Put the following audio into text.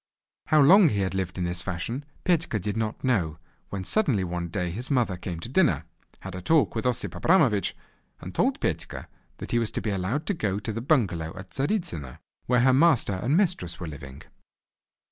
How long he had lived in this fashion, Petka did not know, when suddenly one day his mother came to dinner, had a talk with Osip Abramovich, and told Petka that he was to be allowed to go to the bungalow at Tzaritzyno, where her master and mistress were living.